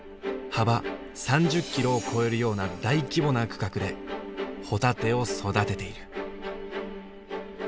幅３０キロを超えるような大規模な区画でホタテを育てている。